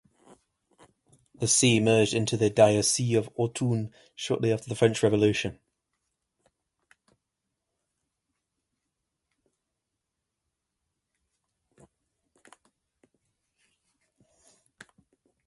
The see was merged into the diocese of Autun shortly after the French Revolution.